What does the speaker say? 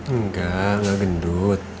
enggak gak gendut